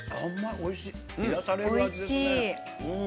おいしい！